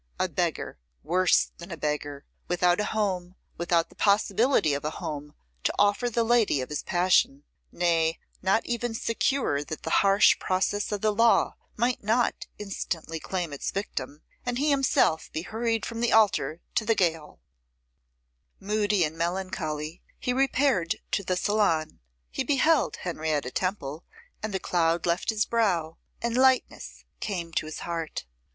A beggar, worse than a beggar, without a home, without the possibility of a home to offer the lady of his passion; nay, not even secure that the harsh process of the law might not instantly claim its victim, and he himself be hurried from the altar to the gaol! Moody and melancholy, he repaired to the salon; he beheld Henrietta Temple, and the cloud left his brow, and lightness came to his heart.